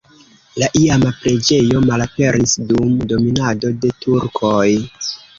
La iama preĝejo malaperis dum dominado de turkoj.